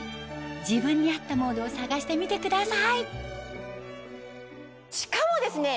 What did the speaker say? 自分に合ったモードを探してみてくださいしかもですね